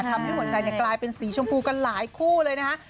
ทำให้หัวใจกลายเป็นสีชมพูกันหลายคู่เลยนะคะ